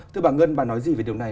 thế bà ngân bà nói gì về điều này